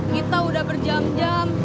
kita udah berjam jam